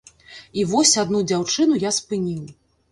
І вось адну дзяўчыну я спыніў.